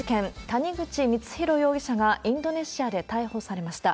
谷口光弘容疑者がインドネシアで逮捕されました。